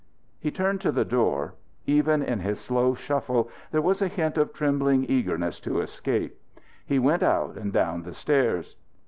He turned to the door. Even in his slow shuffle there was a hint of trembling eagerness to escape. He went out and down the stairs.